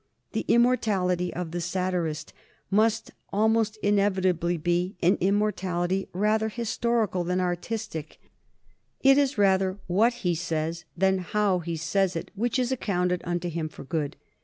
The immortality of the satirist must almost inevitably be an immortality rather historical than artistic; it is rather what he says than how he says it which is accounted unto him for good.